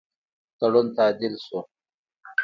تړون تعدیل سو.